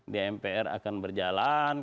di mpr akan berjalan